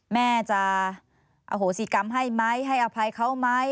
แม่จะอโหสิกรรมให้ไหมให้อภัยเขาไหม